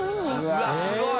うわっすごい！